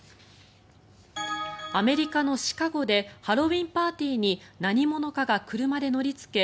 アメリカのシカゴでハロウィーンパーティーに何者かが車で乗りつけ